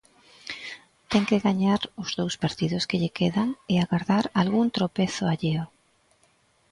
Ten que gañar os dous partidos que lle quedan e agardar algún tropezo alleo.